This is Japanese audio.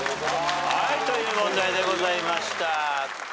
という問題でございました。